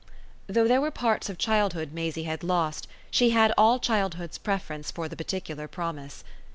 Though there were parts of childhood Maisie had lost she had all childhood's preference for the particular promise.